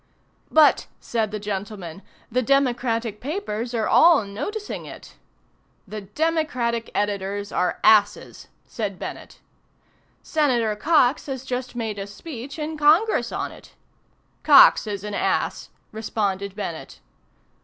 "But," said the gentleman, "the Democratic papers are all noticing it." "The Democratic editors are asses," said Bennett. "Senator Cox has just made a speech in Congress on it." "Cox is an ass," responded Bennett.